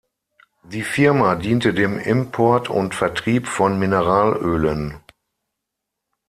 Die Firma diente dem Import und Vertrieb von Mineralölen.